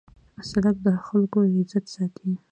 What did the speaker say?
سړک د خلکو عزت ساتي.